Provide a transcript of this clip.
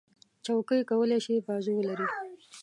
چوکۍ کولی شي بازو ولري.